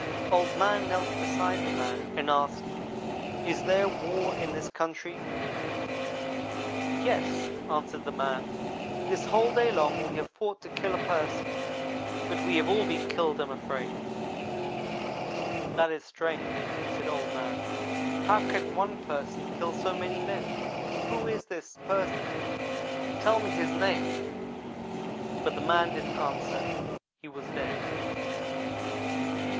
Old man knelt beside the man and asked: 'Is there war in this country? ' "'Yes,' answered the man. 'This whole day long we have fought to kill a Person, but we have all been killed, I am afraid.' "'That is strange,' said Old man; 'how can one Person kill so many men? Who is this Person, tell me his name!' but the man didn't answer he was dead.